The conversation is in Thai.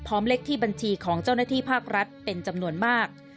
เลขที่บัญชีของเจ้าหน้าที่ภาครัฐเป็นจำนวนมาก